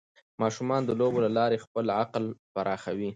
ماشومان د لوبو له لارې خپل عقل پراخوي.